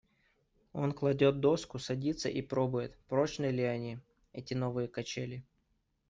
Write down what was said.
Он кладет доску, садится и пробует, прочны ли они, эти новые качели.